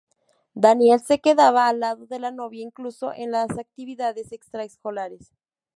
Daniel se quedaba al lado de la novia incluso en las actividades extra-escolares.